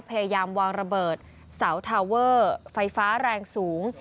พยายามวางระเบิดเสาทาเวอร์ไฟฟ้าแรงสูง